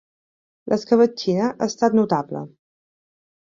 L'escabetxina ha estat notable.